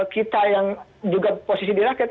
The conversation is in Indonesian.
kita yang juga posisi di rakyat